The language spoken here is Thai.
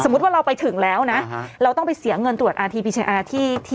สมมุติว่าเราไปถึงแล้วนะอ่าฮะเราต้องไปเสียเงินตรวจอาร์ทีพีซีอาร์ที่ที่